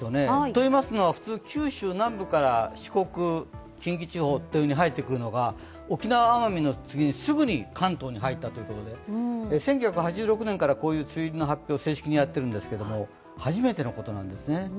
といいますのは、普通、九州南部から四国、近畿地方といふうに入ってくるのが沖縄、奄美の次にすぐに関東に入ったということで、１９８６年からこういう梅雨入りの発表を正式にやっているんですけれども、初めてのことなんですね。